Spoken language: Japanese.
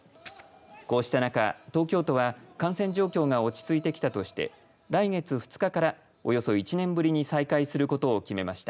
こうした中、東京都は感染状況が落ち着いてきたとして来月２日から、およそ１年ぶりに再開することを決めました。